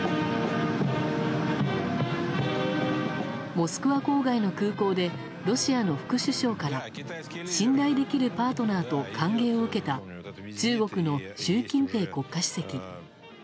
モスクワ郊外の空港でロシアの副首相から信頼できるパートナーと歓迎を受けた中国の習近平国家主席。